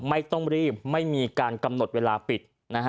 ไม่ต้องรีบไม่มีการกำหนดเวลาปิด